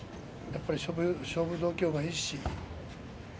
やっぱり勝負度胸がいいし。